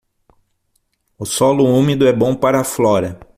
O solo úmido é bom para a flora.